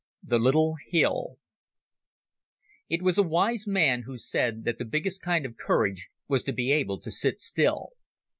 The Little Hill It was a wise man who said that the biggest kind of courage was to be able to sit still.